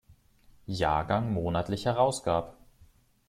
Jahrgang monatlich herausgab.